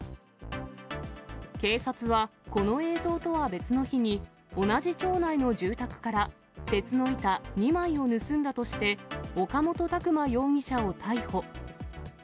警察は、この映像とは別の日に、同じ町内の住宅から鉄の板２枚を盗んだとして、岡本拓真容疑者を逮捕。